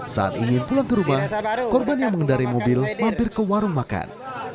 saat ingin pulang ke rumah korban yang mengendari mobil mampir ke warung makan